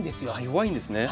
弱いんですね。